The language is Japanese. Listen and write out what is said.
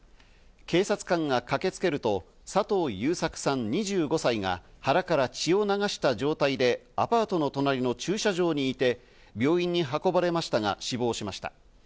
警察官が駆けつけると佐藤優作さん、２５歳が腹から血を流した状態でアパートの隣の駐車場にいて、病院に運ばれましたが死亡しました。